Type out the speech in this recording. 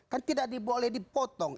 kan tidak boleh dipotong